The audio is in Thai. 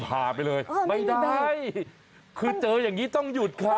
พาไปเลยไม่ได้คือเจออย่างนี้ต้องหยุดค่ะ